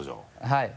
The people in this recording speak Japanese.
はい。